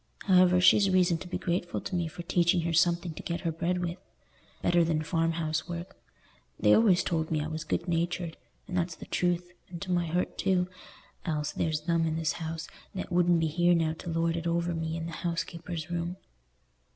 However, she's reason to be grateful to me for teaching her something to get her bread with, better than farm house work. They always told me I was good natured—and that's the truth, and to my hurt too, else there's them in this house that wouldn't be here now to lord it over me in the housekeeper's room."